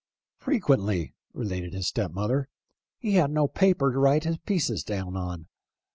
" Frequently," related his stepmother, " he had no paper to write his pieces down on.